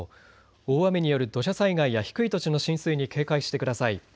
大雨による土砂災害や低い土地の浸水に警戒してください。